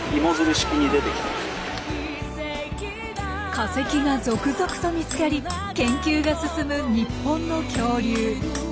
化石が続々と見つかり研究が進む日本の恐竜。